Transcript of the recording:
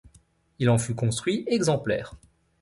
Il en fut construit exemplaires.